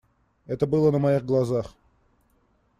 Это было на моих глазах.